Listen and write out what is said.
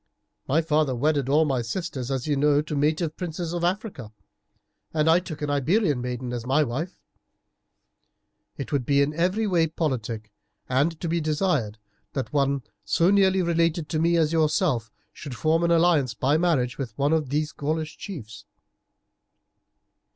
My father wedded all my sisters, as you know, to native princes in Africa, and I took an Iberian maiden as my wife. It would be in every way politic and to be desired that one so nearly related to me as yourself should form an alliance by marriage with one of these Gaulish chiefs."